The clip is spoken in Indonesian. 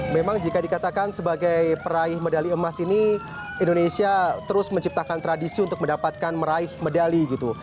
memang jika dikatakan sebagai peraih medali emas ini indonesia terus menciptakan tradisi untuk mendapatkan meraih medali gitu